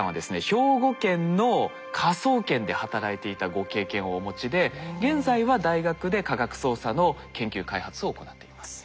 兵庫県の科捜研で働いていたご経験をお持ちで現在は大学で科学捜査の研究開発を行っています。